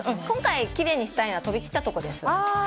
今回きれいにしたいのは飛び散ったところです。